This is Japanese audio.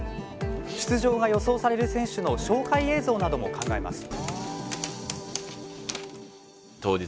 出場が予想される選手の紹介映像なども考えます。